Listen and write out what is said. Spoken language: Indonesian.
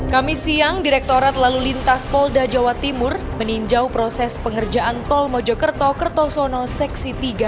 kami siang direkturat lalu lintas polda jawa timur meninjau proses pengerjaan tol mojokerto kertosono seksi tiga